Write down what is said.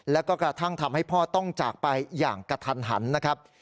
แล้วก็กระทั่งทำให้พ่อต้องจากไปอย่างกระทันหันนะครับ